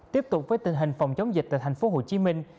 tiếp tục với tình hình phòng chống dịch tại thành phố hồ chí minh